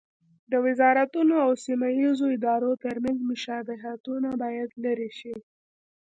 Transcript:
د وزارتونو او سیمه ییزو ادارو ترمنځ مشابهتونه باید لرې شي.